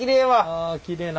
あきれいな。